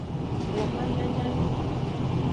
Woman nyanya nyon.